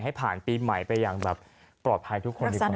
ให้ผ่านปีใหม่ไปอย่างแบบปลอดภัยทุกคนดีกว่า